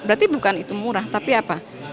berarti bukan itu murah tapi apa